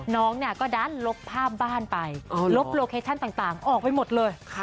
น้องเนี่ยก็ดันลบภาพบ้านไปลบโลเคชั่นต่างออกไปหมดเลย